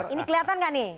ini kelihatan enggak nih